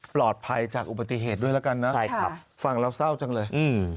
ปลอดภัยจากอุบัติเหตุด้วยแล้วกันนะฟังเราเศร้าจังเลย